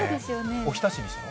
おひたしにして？